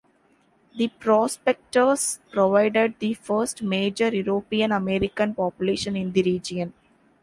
The prospectors provided the first major European-American population in the region.